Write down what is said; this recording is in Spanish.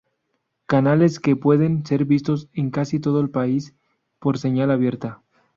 Canales que pueden ser vistos en casi todo el país por señal abierta.